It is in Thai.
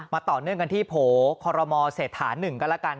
มาต่อเนื่องกันที่โผล่คอลโลมอเศรษฐา๑กันละกัน